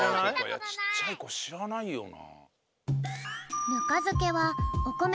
ちっちゃいこしらないよな。